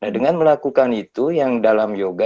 dengan melakukan itu yang dalam yoga